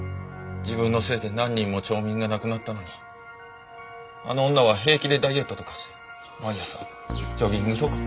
自分のせいで何人も町民が亡くなったのにあの女は平気でダイエットとかして毎朝ジョギングとか。